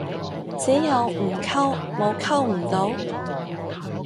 只有唔溝，冇溝唔到